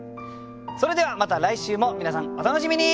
それではまた来週も皆さんお楽しみに。